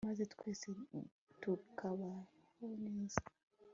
maze twese tukabaho neza